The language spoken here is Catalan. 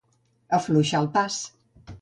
Afluixar el pas.